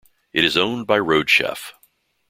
It is owned by RoadChef.